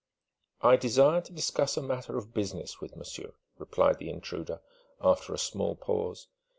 "I desire to discuss a matter of business with monsieur," replied the intruder after a small pause.